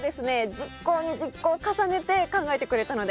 熟考に熟考を重ねて考えてくれたので。